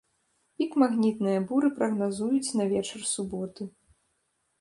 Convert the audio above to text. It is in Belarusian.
Пік магнітная буры прагназуюць на вечар суботы.